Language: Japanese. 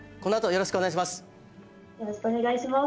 よろしくお願いします。